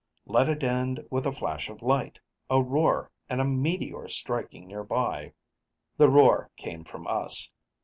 Let it end with a flash of light, a roar, and a meteor striking nearby. The roar came from us.